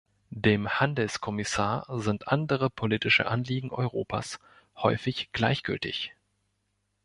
Dem Handelskommissar sind andere politische Anliegen Europas häufig gleichgültig.